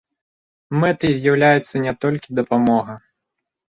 Мэтай з'яўляецца не толькі дапамога.